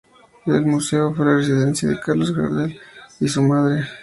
El museo fue la residencia de Carlos Gardel y de su madre.